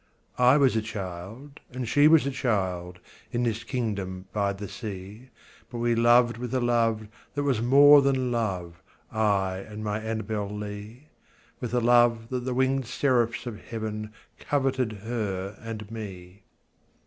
I was a child and she was a child, In this kingdom by the sea; But we loved with a love that was more than love I and my Annabel Lee; With a love that the winged seraphs of heaven Coveted her and me.